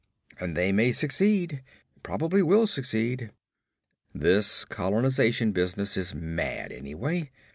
And they may succeed probably will succeed. This colonization business is mad, anyway.